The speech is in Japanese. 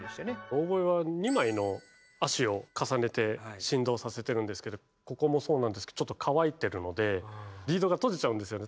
オーボエは２枚の葦を重ねて振動させてるんですけどここもそうなんですけどちょっと乾いてるのでリードが閉じちゃうんですよね。